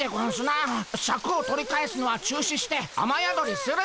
シャクを取り返すのは中止してあまやどりするでゴンス。